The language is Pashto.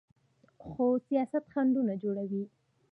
خو سیاست خنډونه جوړوي.